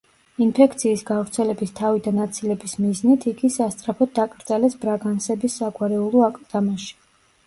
ინფექციის გავრცელების თავიდან აცილების მიზნით იგი სასწრაფოდ დაკრძალეს ბრაგანსების საგვარეულო აკლდამაში.